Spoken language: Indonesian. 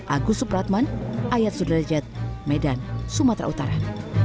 agus supratman ayat sudrajat medan sumatera utara